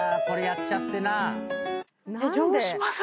これやっちゃってな。